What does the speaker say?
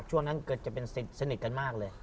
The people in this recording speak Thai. ช่วงนั้นเกิดจะเป็นสนิทกันมากเลย